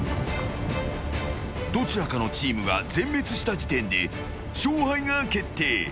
どちらかのチームが全滅した時点で勝敗が決定。